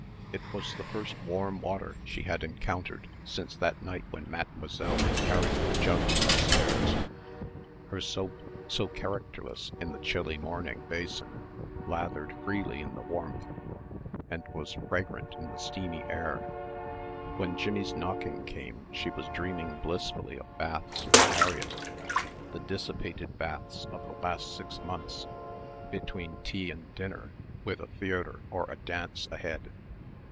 It was the first warm water she had encountered since that night when Mademoiselle had carried the jugs upstairs. Her soap, so characterless in the chilly morning basin lathered freely in the warmth and was fragrant in the steamy air. When Jimmie's knocking came she was dreaming blissfully of baths with Harriett the dissipated baths of the last six months between tea and dinner with a theatre or a dance ahead.